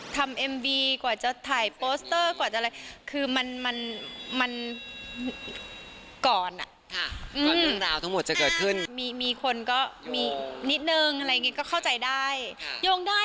เป็นแบบว่าเผ่นการทำงานใช่มั้ย